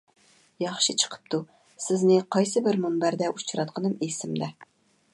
ياخشى چىقىپتۇ، سىزنى قايسى بىر مۇنبەردە ئۇچراتقىنىم ئېسىمدە.